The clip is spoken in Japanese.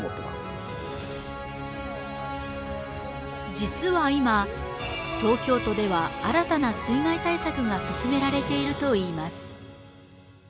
実は今、東京都では新たな水害対策が進められているといいます。